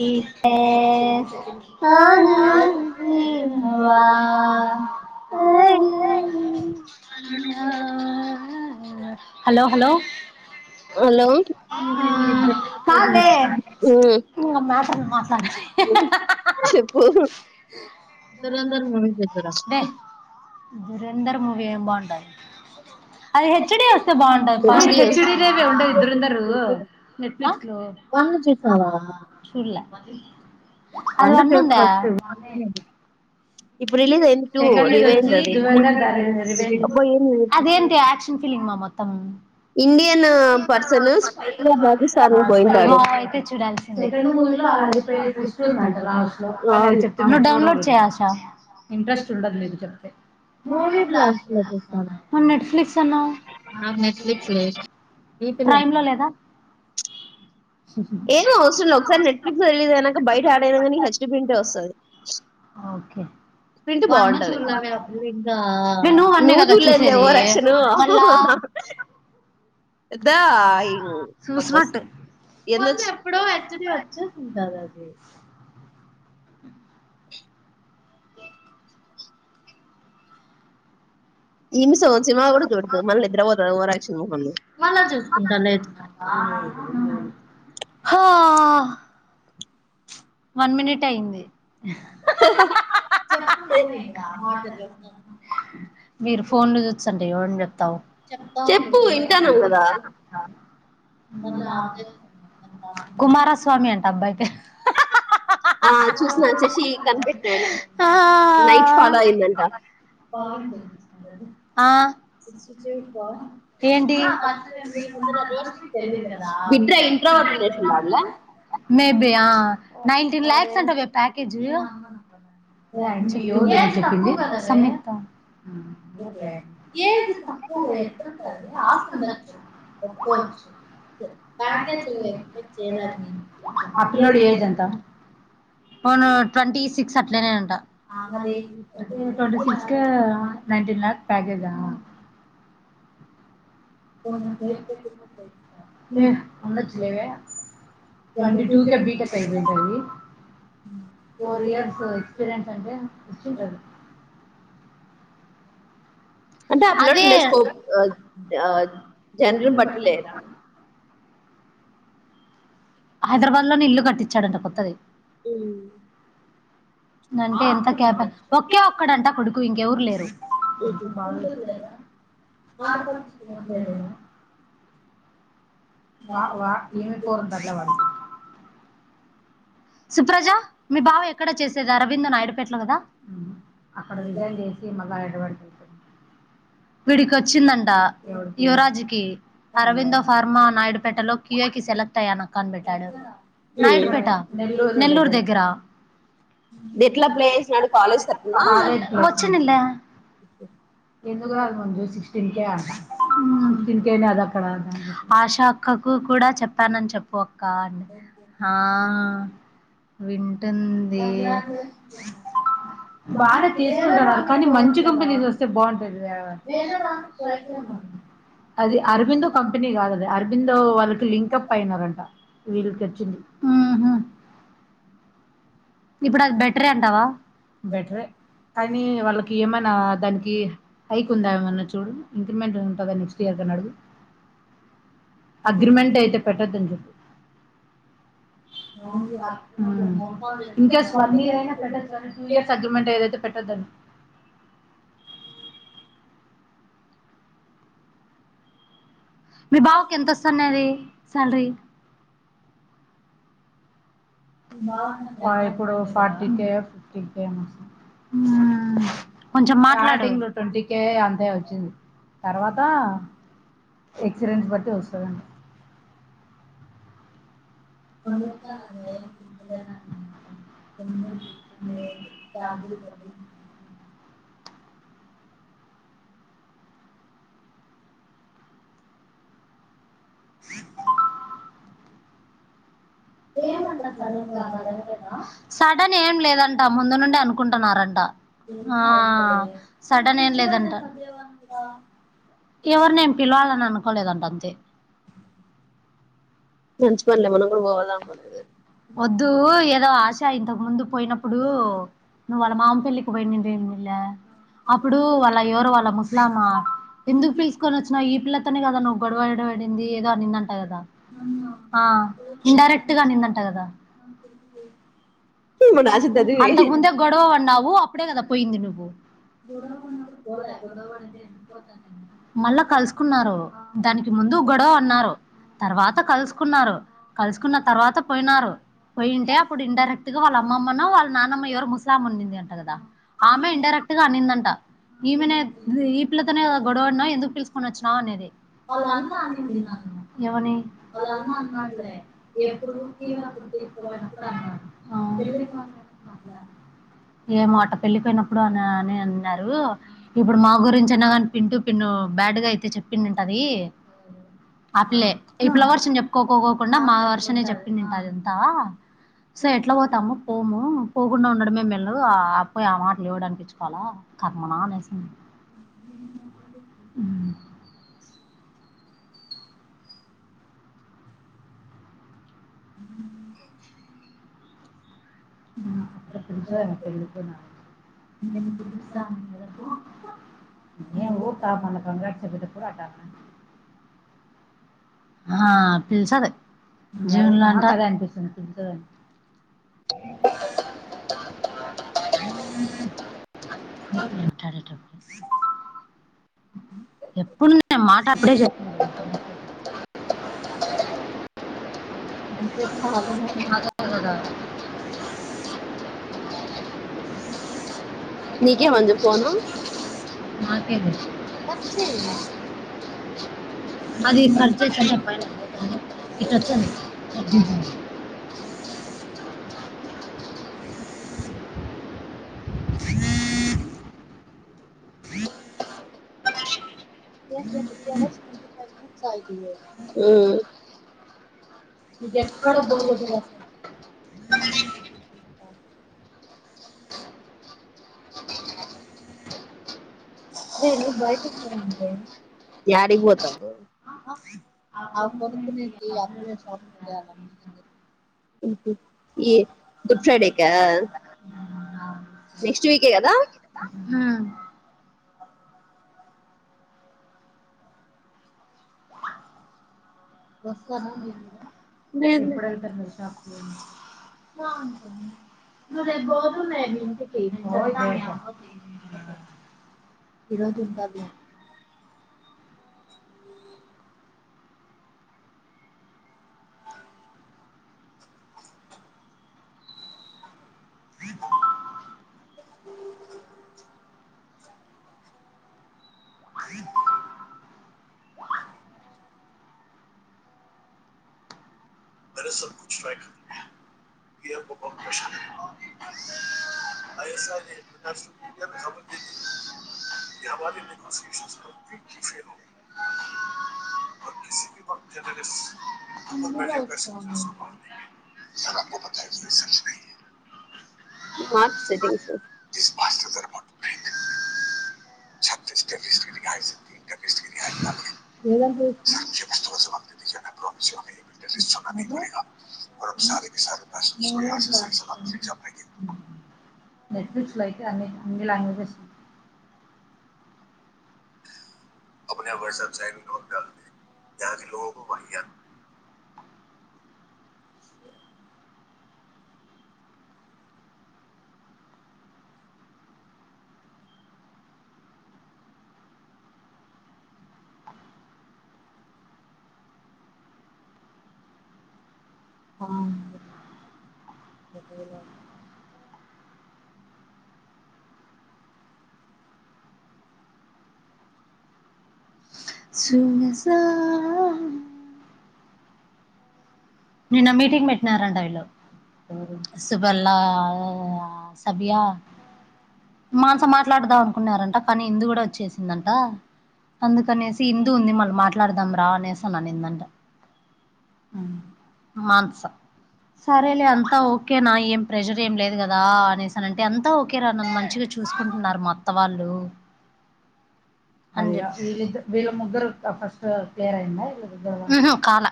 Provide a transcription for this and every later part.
Hello hello ఆ hello ఉమ్ మాస మాసా చెప్పు మే దురేందర్ మూవీ ఏం బాగుంటది అది హెచ్ డి హెచ్డి వస్తే బాగుంటాది అది వస్తుంది. హెచ్ డి నే మీ ఉండేది నెట్ఫ్లిక్ లో వన్ చూసావా అది వన్ ఉందా ఇప్పుడు రిలీజ్ అయింది టూ దురంధర్ ద రివెంజ్ అబ్బా ఏంది అదేంటి యాక్షన్ ఫిలిమా మొత్తం ఇది ఇండియన్ పర్సన్ స్పీడ్గా పాకిస్తాన్ కి పోయింటాడు అయితే చూడాల్సిందే సెకండ్ మూవీలో ఆడిపోయి కూర్చున్నాం కదా అవును. నువ్ డౌన్లోడ్ చేయ్ ఆశ ఇంట్రెస్ట్ ఉండదు నేను చెప్తే మూవీ బ్లాస్ట్ లో చూసాను మ నెట్ఫ్లిక్స్ అన్నా జెలెబ్ ఈ పిల్ల ఏం అవసరమా రిలీజ్ అయినాక బయట యాడైనా కానీ హెచ్ డి ప్రింటే వస్తది ప్రింట్ బాగుంటది నేను వన్ నువ్వు జుల్లేదులే ఓవరాక్షను మళ్ళా ఇద్దో అయ్ ఫోన్ లో ఎప్పుడో హెచ్డి వచ్చిస్తుంటారండి ఈమి సగం సినిమా కూడా చూడదు మళ్ళీ నిద్రపోతుంది ఓవర్ యాక్షన్ మొహంది హా వన్ మినిట్ అయింది మీరు ఫోన్లు చూచ్చం ఏం వండావ్ చెప్పు వింటానం కదా [unintelligible] కుమారస్వామి అంట అబ్బాయ్ ఆ చూసిన వచ్చేసి కనిపెట్టినాడు నైట్ ఫాలో అయిందంట ఆ ఆ ఏంటి బిడ్డ ఇంట్రోవర్ట్ ఉండేసింది వాళ్ళ మేబి ఆ నైటీ ల్యాక్ ఎట్లా ఉంటాదే ప్యాకేజ్, ఏజ్ తక్కువే ఎట్లా ఉంటాదే ఆస్తి ఉండొచ్చు ఒప్పుకోవచ్చు, ప్యాకేజీ ఆ పిల్లోడి ఏజ్ ఎంత ఓ ట్వంటీసిక్స్ అ [unintelligible] మరి ట్వంటి సిక్స్ కి నైటీ లక్స్ ప్యాకేజా అన్ని వచ్చినావ ట్వీటి టూ కే బి. టెక్ అయిపోయిఉంటది. ఫోర్ ఇయర్స్ ఎక్స్పీరియన్స్ అంటే వచ్చింటది. అంటే ఆ పిల్లకు అదే ఉండే స్కోప్ ఆ జనరిం బట్టి లేరా హైదరాబాద్ లో నే ఇల్లు కట్టి వచ్చాడంట కొత్తది ఉమ్ అంటే ఎంత కేప ఒకే ఒక్కడంటా కొడుకు ఇంకెవరు లేరు, ఆడపడుచులు ఎవరు లేరేమో వా వా ఏమి పోరంతాట్లా వాడికి సుప్రజ మీ బావ ఎక్కడ చేసేది అరవింద్ నాయడుపేటలో కదా అక్కడ రిజైన్ చేసి మళ్ళటువంటి అంతే వీడికి వచ్చిందంట యువరాజ్కి అరవిందో ఫార్మా నాయుడుపేటలో కి ఏకి సెలక్ నక్కనిబెట్టాడు నాయుడుపేట నెల్లూరు దగ్గర ఎట్లా ప్లే చేసినాడు కాలేజ్ తరపున వచ్చిండు లే ఆషా అక్కకు కూడా చెప్పానని చెప్పు కా ఆ వి ఉంటంది బాగా తీసుకుంటాడు కానీ మంచి కంపెనీస్ వస్తే బాగుంటాది, అది అరవిందో కంపెనీ కాదది అరవిందో వాళ్ళకి లింకప్ అయినదంట వీళ్ళకి వచ్చింది. ఇప్పుడు అది బెటరే అంటావా బెటరే కానీ వాళ్ళకి ఏమైనా దానికి హైక్ ఉందా, ఏమన్నా చూడు ఇంక్రిమెంట్ ఉంటుంది నెక్స్ట్ ఇయర్ కనీ అడుగు అగ్రిమెంట్ అయితే పెట్టొద్దని చెప్పి హ్మ్ ఇన్కేస్ వన్ ఇయర్ అయినా పెట్ట టూ ఇయర్స్ అగ్రిమెంట్ ఏదైతే పెట్టద్దంని మీ బావకి ఎంతొస్తున్నాది సరే బాయ కూడా టి ఉ కొంచం మాట్లాడు స్టార్టింగ్ ట్వంటీ కే అంతే వచ్చింది తర్వాత ఎక్స్పీరియన్స్ బట్టి వస్తుందండి ప్రముూఖంగాంగ పిచన్న ము రాజు ప్రభ సడన్ ఏం లేదంట ముందు నుండే అనుకుంటున్నారంట సడన్ ఏం లేదంట ఎవరు నం పిలవాలని అనుకోలేదంట అంతే మంచి పనిలే మనం కూడా పోవాలనుకోలేదు వద్దు ఏదో ఆశ ఇంతకు ముందు పోయినప్పుడు నువ్వు వాళ్ళ మామ పెళ్లికి పోయినేడి అప్పుడు వాళ్ళ ఎవరు వాళ్ళ ముస్లిమా హిందుూకు పిలుచసుకొని వచ్చినా ఈ పిల్లతోనే కదా నువ్వు గొడవడ పడింది ఏదో అనింది లేదా ఉ ఆ ఇండైరెక్ట్ గా అనిందంట కదా మన ఆశ చదివి అంతకుముందే గొడవ వడినవు అప్పుడే కదా పోయింది నువ్వు మళ్ళా కలుసుకున్నారు దానికి ముందు గడో అన్నారు తర్వాత కలుసుకున్నారు కలుసుకున్న తర్వాత పోయినారు పోయింటే అప్పుడు ఇండైరెక్ట్ వాళ్ళ అమ్మమ్మను వాళ్ళ నానమ్మ ఎవరు ముస్లాం ఉంది అంట కదా ఆమె ఇడైరెక్ట్ గాన్నిందంట ఈమె ఎ గొవడిన ఎందుకు పలుసుకొనీ వచ్చినవు అనేది వాళ్ళ అన్న అనింది ఎమాని వాళ్ళ అన్న అన్నాట్లే ఎప్పుడు తీవరప్పుడు తీసుకుపోయినప్పుడు అన్నాడు ఏ మోటా పిల్లి నప్పుడు అ అని అన్నారు ఇప్పుడు మా గురించి అన్నగా తింటూ పిన్న బ్యాడ్గా అయితే చెప్పిందింట అది ఆ పిల్లే ఇప్పుల వర్షం చెప్పుకోకోకోకుండా మా వర్షమ చెప్పిందింట అదంత దా సో ఎట్లా పోతాము పోము పోకుండా ఉండ మేము మేలు ఆ అ పోయి ఆ మాటలు ఎవడు అనిపించుకోవాలా కర్మనా అనేసింది [unintelligible] హ అప్పుడ పె ఊ త కంగ కూ అ ఆ పిల్సదు జూన్ లో అంటే అద అనిపిస్తుంది స డ ఎప్పుడు నేను మాట అప్పుడే చెప్పాను [unintelligible] అంత అదే అదే అదా [unintelligible] కే వంది పోను నాకే తెలుసు అదిర్చే చె చెప్ప ఇకకం అ అ ఉమ్ మీకు ఎక్కడ బోర్ కొట్టదా గుడ్ ఫ్రైడే కా నెక్స్ట్ వీక్ కదా వస్తను ఎప్పుడు వెళ్తున్న షాప్ కి నువ్వు రేపు పోతుండే ఇంటికి మే సబ్ కు ట్ర ఈ బ ప్రషన్ [unintelligible] ఎస్ మయాబన్ కలీ ఫ స [unintelligible] మార్ సెటింగ్ స్స్ హడ [unintelligible] నెట్ ఫిక్స్ లో అయితే అవైలబుల్ గా ఉంది వట్సప్ సై లతే కి లో భయియ [unintelligible] ఆ సుమసా నిన్న ఆ మీటింగ్ పెట్టినారంట వీళ్ళు సుబల్లా సబయా మానస మాట్లాడదాం అనుకున్నారంట కానీ హిందూ కూడా వచ్చేసిందంట అందుకనేసి హిందూ ఉంది మళ్ళీ మాట్లాడదాం రా అనేసి ఇందంట మానస సరేలే అంతా ఓకేనా ఏం ప్రెషర్ ఏం లేదు కదా అనేసానంటే అంతా ఓకేరా నన్ను మంచిగా చూసుకుంటున్నారు మా అత్త వాళ్ళు ఆ ఈ విళ్ళు ముగ్గురు ఫస్ట్ కాల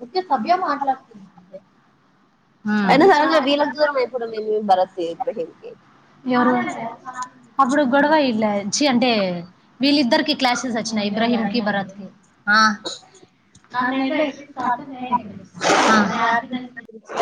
ముఖే సభ్య మాట్లాడుతుంది భరత్ ఇబ్రహీం కి ఎవరు అప్పుడు గొడవ ఇళ్ళచ్చి అంటే వీళ్ళిద్దరికి క్లాసెస్ వచ్చినాయి ఇబ్రాహీం కి భరాత్ కి ఆ నన్ను ఏందో ఎక్కిరిస్తా అంటే నేను ఎక్కిరిచ్చిన